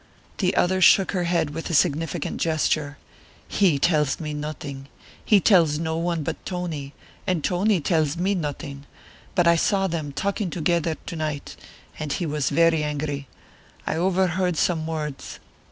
The other shook her head with a significant gesture. "He tells me nothing; he tells no one but Tony, and Tony tells me nothing; but I saw them talking together to night, and he was very angry. I overheard some words.